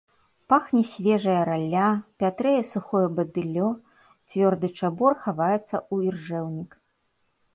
Пахне свежая ралля, пятрэе сухое бадыллё, цвёрды чабор хаваецца ў іржэўнік.